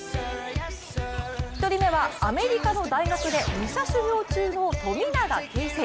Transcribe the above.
１人目はアメリカの大学で武者修行中の富永啓生。